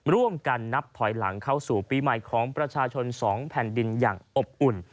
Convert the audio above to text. ร่วมกันนับถอยหลังเข้าสู่ปีใหม่ของประชาชน๒แผ่นดินอย่างอบอุ่น